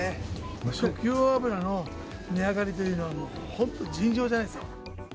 食用油の値上がりというのは、もう本当、尋常じゃないですよ。